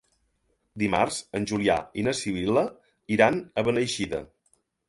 Dimarts en Julià i na Sibil·la iran a Beneixida.